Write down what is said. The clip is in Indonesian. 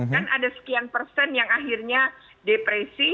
kan ada sekian persen yang akhirnya depresi